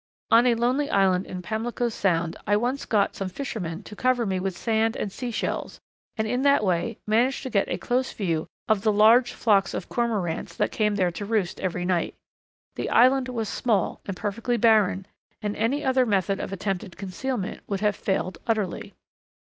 On a lonely island in Pamlico Sound I once got some fishermen to cover me with sand and sea shells, and in that way managed to get a close view of the large flocks of Cormorants that came there to roost every night. The island was small and perfectly barren, and any other method of attempted concealment would have failed utterly.